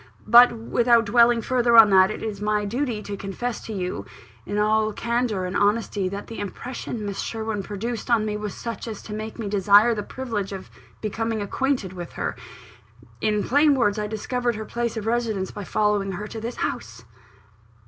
But, without dwelling further on that, it is my duty to confess to you, in all candour and honesty, that the impression Miss Sherwin produced on me was such as to make me desire the privilege of becoming acquainted with her. In plain words, I discovered her place of residence by following her to this house."